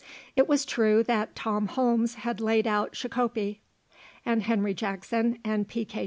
It was true that Tom Holmes had laid out Shakopee, and Henry Jackson and P. K.